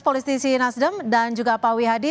polis tisi nasdem dan juga pak wi hadi